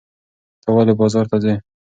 ته ولې بازار ته ځې؟